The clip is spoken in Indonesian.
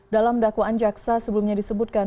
dalam dakwaan jaksa sebelumnya disebutkan